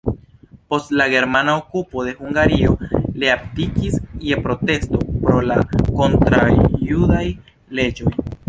Post la germana okupo de Hungario le abdikis je protesto pro la kontraŭjudaj leĝoj.